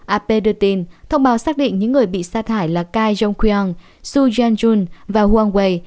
ap đưa tin thông báo xác định những người bị xa thải là kai jong kyung su yanjun và huang wei